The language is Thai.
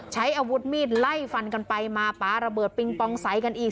ใช้อาวุธมีดไล่ฟันกันไปมาป๊าระเบิดปิงปองใสกันอีก